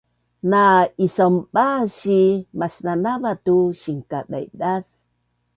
na’isaunbaas i masnanava tu sinkadaidaz